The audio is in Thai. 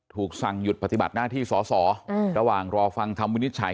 สั่งหยุดปฏิบัติหน้าที่สอสอระหว่างรอฟังคำวินิจฉัย